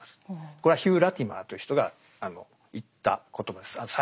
これはヒュー・ラティマーという人が言った言葉です最後に。